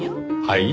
はい？